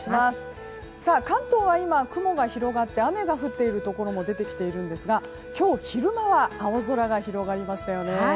関東は今雲が広がって雨が降っているところも出てきているんですが今日昼間は青空が広がりましたよね。